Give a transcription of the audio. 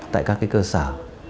tại các cái cơ sở